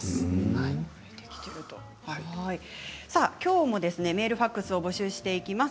きょうもメールファックスを募集します。